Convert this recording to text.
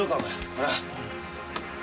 ほら。